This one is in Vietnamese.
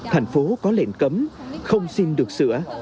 thành phố có lệnh cấm không xin được sữa